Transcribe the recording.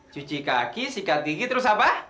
cuci kaki sikat gigi terus apa